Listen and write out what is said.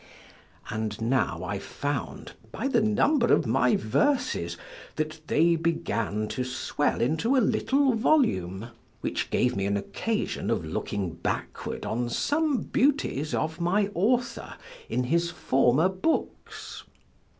And now I found, by the number of my verses, that they began to swell into a little volume; which gave me an occasion of looking backward on some beauties of my author, in his former books.